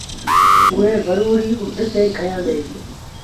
ائيٚݩ زوريٚ اُٺ تي کيآݩدي۔